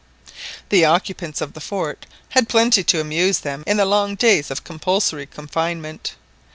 The occupants of the fort had plenty to amuse them in the long days of compulsory confinement.